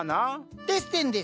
テッセンです。